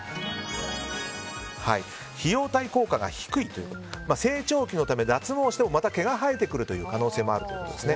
費用対効果が低いという成長期のため脱毛してもまた毛が生えてくる可能性もあるということです。